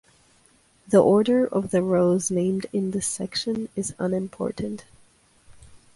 The order of the rows named in this section is unimportant.